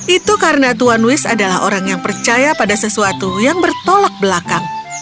itu karena tuan wish adalah orang yang percaya pada sesuatu yang bertolak belakang